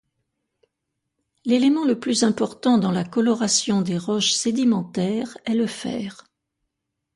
L'élément le plus important dans la coloration des roches sédimentaires est le fer.